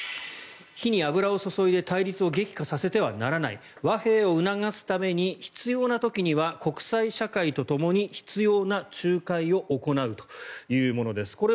火に油を注いで対立を激化させてはならない和平を促すために必要な時には国際社会とともに必要な仲介を行うというものです。